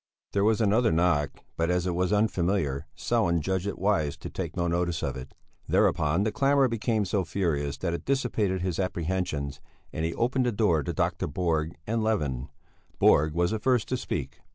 There was another knock, but as it was unfamiliar Sellén judged it wise to take no notice of it; thereupon the clamour became so furious that it dissipated his apprehensions and he opened the door to Dr. Borg and Levin. Borg was the first to speak.